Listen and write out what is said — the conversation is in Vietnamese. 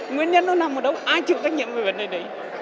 nguyên nhân nó nằm ở đâu ai chủ tách nhiệm về vấn đề đấy